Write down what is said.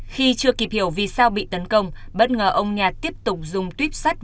khi chưa kịp hiểu vì sao bị tấn công bất ngờ ông nhà tiếp tục dùng tuyếp sắt